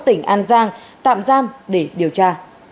tỉnh an giang tạm giam để điều tra